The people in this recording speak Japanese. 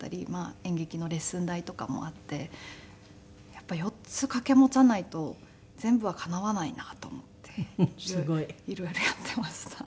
演劇のレッスン代とかもあってやっぱり４つ掛け持たないと全部はかなわないなと思って色々やっていました。